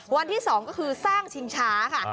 วันที่๒ก็คือสร้างชิงช้าค่ะ